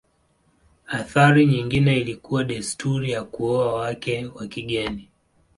Athari nyingine ilikuwa desturi ya kuoa wake wa kigeni.